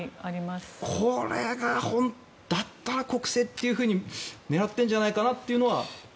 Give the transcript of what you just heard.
これが本当にだったら国政っていうふうに狙ってるんじゃないかなというのは。